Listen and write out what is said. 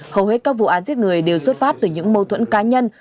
hầu hết các vụ án giết người đều xuất phát từ những mâu thuẫn cá nhân